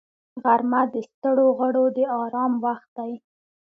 غرمه د ستړو غړو د آرام وخت دی